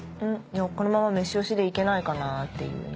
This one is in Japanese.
このままメシ押しでいけないかなっていうね。